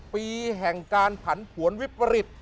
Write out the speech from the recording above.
ปีแห่งการผันผวนวิปริต